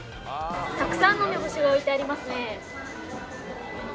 たくさんの梅干しが置いてありますね。